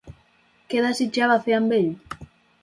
Què desitjava fer amb ell?